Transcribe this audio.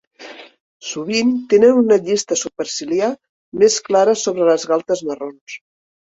Sovint tenen una llista superciliar més clara sobre les galtes marrons.